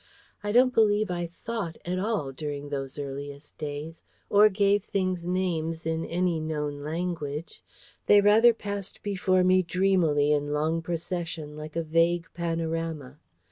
I don't believe I THOUGHT at all during those earliest days, or gave things names in any known language. They rather passed before me dreamily in long procession, like a vague panorama.